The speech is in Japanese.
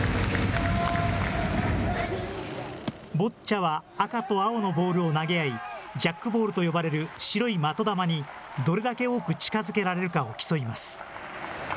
ボッチャは、赤と青のボールを投げ合い、ジャックボールと呼ばれる白い的球に、どれだけ多く近づけられるかを競います。